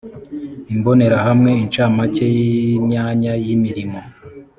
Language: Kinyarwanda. imbonerahamwe incamake y imyanya y imirimo